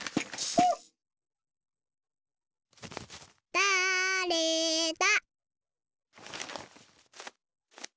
だれだ？